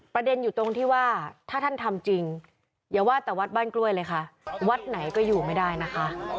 ประเด็นอยู่ตรงที่ว่าถ้าท่านทำจริงอย่าว่าแต่วัดบ้านกล้วยเลยค่ะวัดไหนก็อยู่ไม่ได้นะคะ